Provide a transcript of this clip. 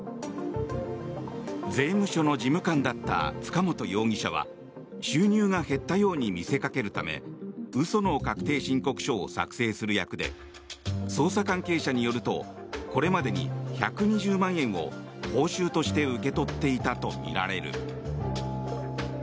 税務署の事務官だった塚本容疑者は収入が減ったように見せかけるため嘘の確定申告書を作成する役で捜査関係者によるとこれまでに１２０万円を報酬として受け取っていたとみられる。